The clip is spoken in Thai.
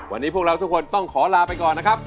วันนี้พวกเราทุกคนต้องขอลาไปก่อนนะครับ